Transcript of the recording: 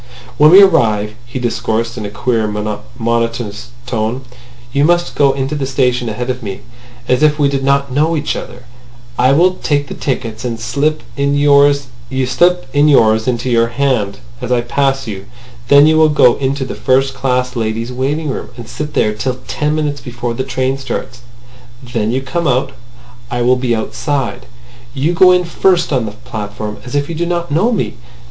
"When we arrive," he discoursed in a queer, monotonous tone, "you must go into the station ahead of me, as if we did not know each other. I will take the tickets, and slip in yours into your hand as I pass you. Then you will go into the first class ladies' waiting room, and sit there till ten minutes before the train starts. Then you come out. I will be outside. You go in first on the platform, as if you did not know me.